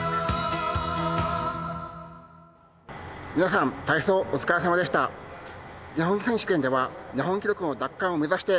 皆さん、体操、お疲れさまでした。